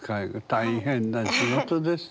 大変な仕事ですね。